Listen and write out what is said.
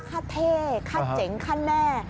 ข้าเท่ข้าเจ๋งข้าแน่